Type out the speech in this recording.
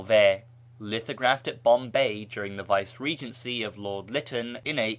Litho graphed at Bombay during the vice regency of Lord Lytton in A.H.